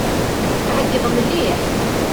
Ɛeyyeḍ mliḥ!